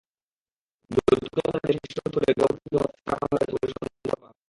যৌতুকের দাবিতে শ্বাসরোধ করে গৃহবধূকে হত্যা করা হয়েছে বলে সন্দেহ করা হচ্ছে।